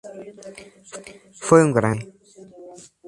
Fue un gran Hombre.